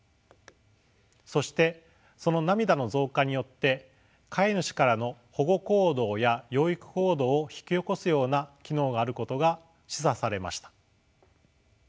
そしてその涙の増加によって飼い主からの保護行動や養育行動を引き起こすような機能があることが示唆されました。